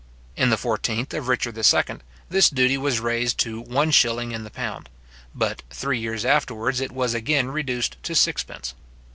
In the fourteenth of Richard II., this duty was raised to one shilling in the pound; but, three years afterwards, it was again reduced to sixpence.